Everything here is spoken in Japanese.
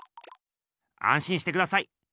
あんしんしてください。